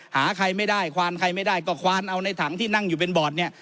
หาใครไม่ได้ควานใครไม่ได้ก็ควานเอาในถังที่นั่งอยู่เป็นบอร์ดเนี่ย